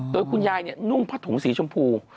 โดยคุณยายนุ่งผ้าถุงสีชมพู